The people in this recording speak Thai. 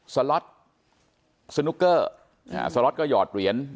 สล็อตสนุกเกอร์สล็อตก็หยอดเหรียญ